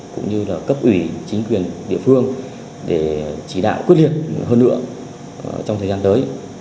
cũng như là cấp ủy chính quyền địa phương để chỉ đạo quyết liệt hơn nữa trong thời gian tới